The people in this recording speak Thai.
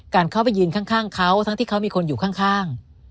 เข้าไปยืนข้างเขาทั้งที่เขามีคนอยู่ข้าง